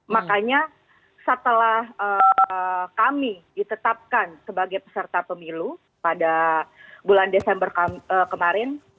makanya setelah kami ditetapkan sebagai peserta pemilu pada bulan desember kemarin